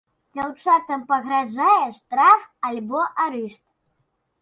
Дзяўчатам пагражае штраф альбо арышт.